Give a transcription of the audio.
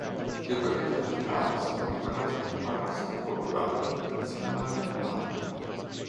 Le pareti laterali sono decorate con paraste colorate per simulare il marmo.